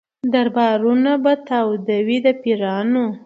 دربارونه به تاوده وي د پیرانو